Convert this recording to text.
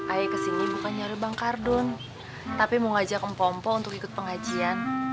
ae kesini bukan nyari bang kardun tapi mau ngajak empom pom untuk ikut pengajian